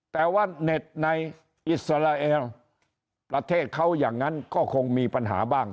แต่ว่าเน็ตในอิสราเอลประเทศเขาอย่างนั้นก็คงมีปัญหาบ้าง